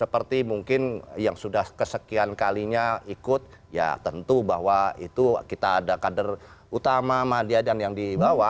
paling dekat juga ada di